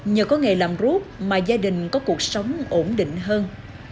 nhờ có ngày làm rút mà gia đình có cuộc sống ổn định hơn